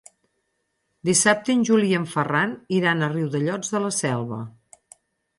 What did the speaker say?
Dissabte en Juli i en Ferran iran a Riudellots de la Selva.